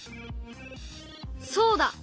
そうだ！